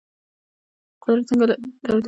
قدرت څنګه له تاوتریخوالي پرته سقوط کوي؟